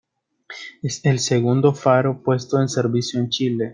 Es el segundo faro puesto en servicio en Chile.